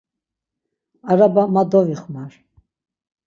Araba ma dovixmar.